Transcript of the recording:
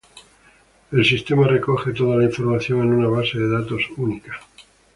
El Sistema recoge toda la información en una base de datos única.